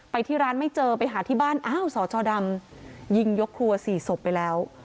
ที่ร้านไม่เจอไปหาที่บ้านอ้าวสจดำยิงยกครัว๔ศพไปแล้ว